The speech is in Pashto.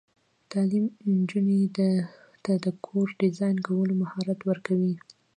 تعلیم نجونو ته د کور ډیزاین کولو مهارت ورکوي.